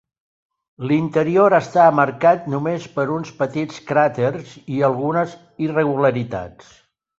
L'interior està marcat només per uns petits cràters i algunes irregularitats.